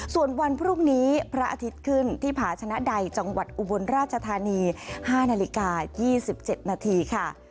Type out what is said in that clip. ส่วนวันพรุ่งนี้พระอาทิตย์ขึ้นที่ผาชนะใดจังหวัดอุบลราชธานี๕นาฬิกา๒๗นาทีค่ะ